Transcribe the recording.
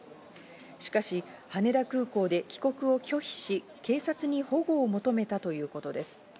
しかし、羽田空港で帰国を拒否し、警察に保護を求めたということです。